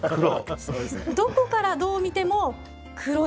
どこからどう見ても黒い。